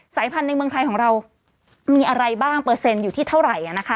พันธุ์ในเมืองไทยของเรามีอะไรบ้างเปอร์เซ็นต์อยู่ที่เท่าไหร่